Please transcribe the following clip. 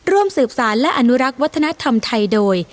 ร่วมสืบสารและอนุรักษ์วัฒนธรรมไทยโดย